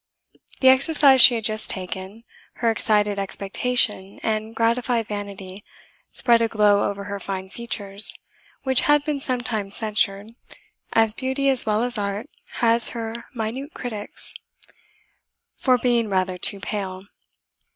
The exercise she had just taken, her excited expectation and gratified vanity, spread a glow over her fine features, which had been sometimes censured (as beauty as well as art has her minute critics) for being rather too pale.